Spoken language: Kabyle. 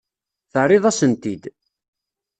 Terriḍ-asen-t-id.